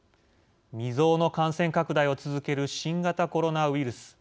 未曽有の感染拡大を続ける新型コロナウイルス。